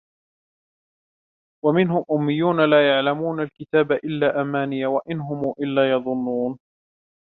وَمِنْهُمْ أُمِّيُّونَ لَا يَعْلَمُونَ الْكِتَابَ إِلَّا أَمَانِيَّ وَإِنْ هُمْ إِلَّا يَظُنُّونَ